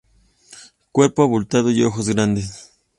Cuerpo abultado y ojos grandes.